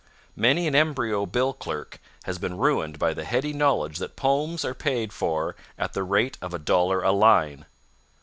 Many an embryo bill clerk has been ruined by the heady knowledge that poems are paid for at the rate of a dollar a line.